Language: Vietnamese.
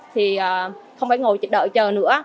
thì không phải ngồi đợi chờ nữa